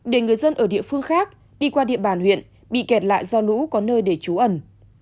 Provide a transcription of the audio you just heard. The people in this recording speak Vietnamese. để người dân ở địa phương khác đi qua địa bàn huyện bị kẹt lại do lũ có nơi để trú ẩn